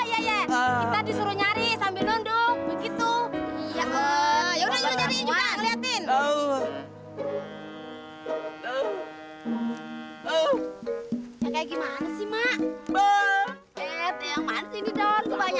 ya ya kita disuruh nyari sambil nonduk begitu ya udah jadi juga ngeliatin